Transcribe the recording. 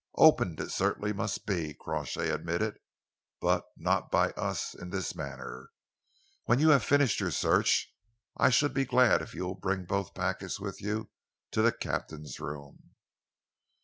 "Opened it certainly must be," Crawshay admitted, "but not by us in this manner. When you have finished your search, I should be glad if you will bring both packets with you to the captain's room."